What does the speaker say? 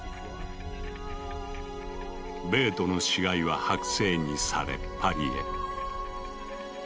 ベートの死骸は剥製にされパリへ。